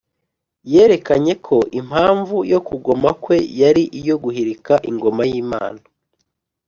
Yerekanye ko impamvu yo kugoma kwe yari iyo guhirika Ingoma y’Imana,